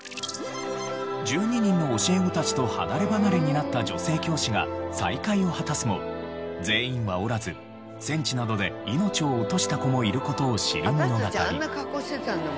１２人の教え子たちと離ればなれになった女性教師が再会を果たすも全員はおらず戦地などで命を落とした子もいる事を知る物語。